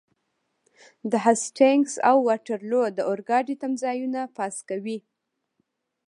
د هسټینګز او واټرلو د اورګاډي تمځایونه پاس کوئ.